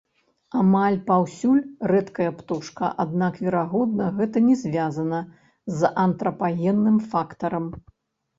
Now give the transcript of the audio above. Амаль паўсюль рэдкая птушка, аднак, верагодна, гэта не звязана з антрапагенным фактарам.